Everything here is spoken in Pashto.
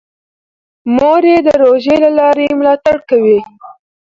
مور یې د روژې له لارې ملاتړ کوي.